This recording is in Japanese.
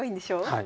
はい。